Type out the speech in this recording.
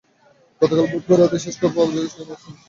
গতকাল বুধবার রাতে শেষ খবর পাওয়া পর্যন্ত সেখানেই অবস্থান করেন তাঁরা।